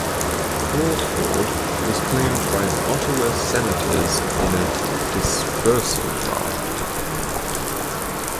Crawford was claimed by the Ottawa Senators in a dispersal draft.